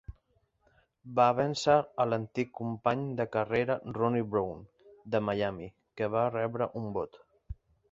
Va vèncer a l'antic company de carrera Ronnie Brown de Miami, que va rebre un vot.